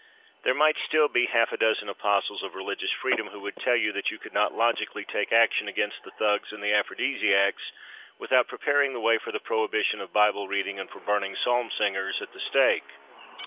There might still be half a dozen apostles of religious freedom who would tell you that you could not logically take action against the Thugs and the Aphrodisiacs without preparing the way for the prohibition of Bible reading and for burning psalm singers at the stake.